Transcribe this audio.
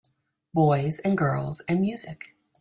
Boys and girls and music.